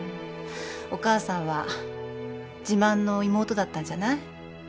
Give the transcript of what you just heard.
お母さんは自慢の妹だったんじゃない？